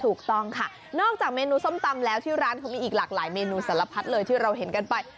ถูกต้องค่ะนอกจากเมนูส้มตำแล้วที่ร้านเขามีอีกหลากหลายเมนูสารพัดเลยที่เราเห็นกันไป